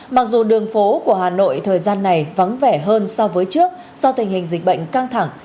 mặc dù đường phố của hà nội thời gian này vắng vẻ hơn so với trước do tình hình dịch bệnh căng thẳng